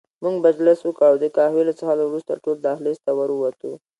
موږ مجلس وکړ او د قهوې له څښلو وروسته ټول دهلېز ته ور ووتو.